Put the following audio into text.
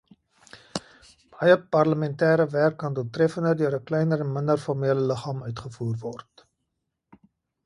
Baie parlementêre werk kan doeltreffender deur 'n kleiner en minder formele liggaam uitgevoer word.